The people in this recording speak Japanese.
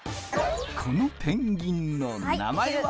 このペンギンの名前は？